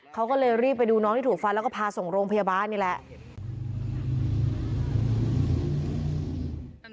เขาก็เลยรีบไปดูน้องที่ถูกฟันแล้วก็พาส่งโรงพยาบาลนี่แหละ